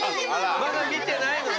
まだ見てないのね。